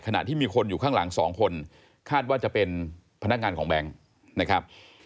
ขณะที่มีคนอยู่ข้างหลังสองคนคาดว่าจะเป็นพนักงานของแบงค์นะครับ